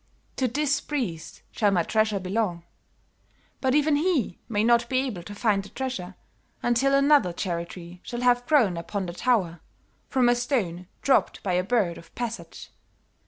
To this priest shall my treasure belong. But even he may not be able to find the treasure until another cherry tree shall have grown upon the tower, from a stone dropped by a bird of passage.